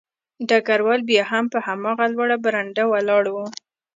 ډګروال بیا هم په هماغه لوړه برنډه ولاړ و